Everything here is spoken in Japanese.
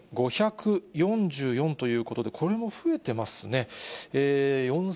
４５４４ということで、これも増えてますね。